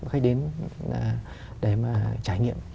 khách đến để mà trải nghiệm